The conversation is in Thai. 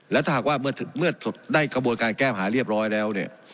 แล้วถ้าหากว่าเมื่อได้กระบวนการแก้หาเรียบร้อยแล้วเนี่ย